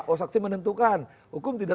oh saksi menentukan hukum tidak